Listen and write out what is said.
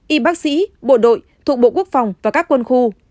y bác sĩ bộ đội thuộc bộ quốc phòng và các quân khu